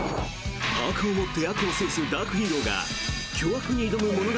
悪をもって悪を制すダークヒーローが巨悪に挑む物語